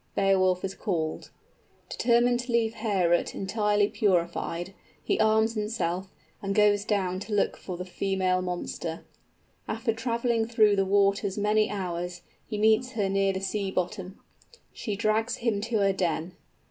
Beowulf is called. Determined to leave Heorot entirely purified, he arms himself, and goes down to look for the female monster. After traveling through the waters many hours, he meets her near the sea bottom. She drags him to her den.